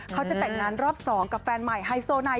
เขาจะแต่งงานรอบ๒กับแฟนใหม่ไฮโซไนท